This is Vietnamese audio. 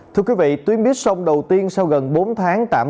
thưa quý vị tuyến buýt sông đầu tiên sau gần bốn tháng tạm